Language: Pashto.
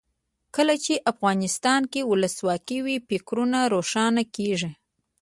کله چې افغانستان کې ولسواکي وي فکرونه روښانه کیږي.